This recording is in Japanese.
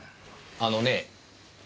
あのねぇ。